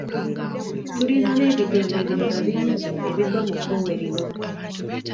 Tulina n'ebigambo ebirala bingi ebigwa mu kkowe lino.